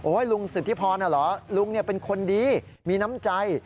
ลุงสุธิพรเหรอลุงเป็นคนดีมีน้ำใจ